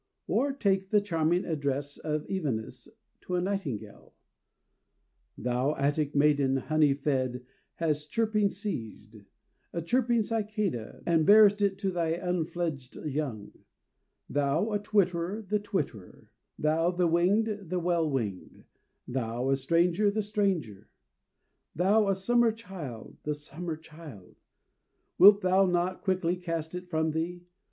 ... Or take the charming address of Evenus to a nightingale: "_Thou Attic maiden, honey fed, hast chirping seized a chirping cicada, and bearest it to thy unfledged young, thou, a twitterer, the twitterer, thou, the winged, the well winged, thou, a stranger, the stranger, thou, a summer child, the summer child! Wilt thou not quickly cast it from thee?